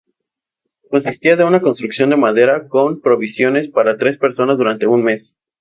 Consistía de una construcción de madera con provisiones para tres personas durante un mes.